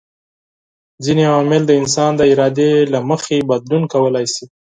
ځيني عوامل د انسان د ارادې له مخي بدلون کولای سي